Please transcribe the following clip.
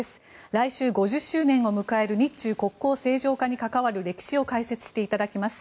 来週５０周年を迎える日中国交正常化に関わる歴史を解説していただきます。